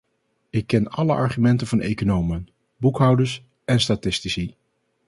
Ik ken alle argumenten van economen, boekhouders en statistici.